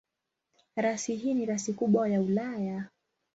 Rasi hii ni rasi kubwa ya Ulaya.